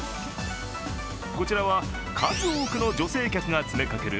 こちらは数多くの女性客が詰めかける